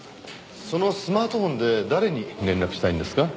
そのスマートフォンで誰に連絡したいんですか？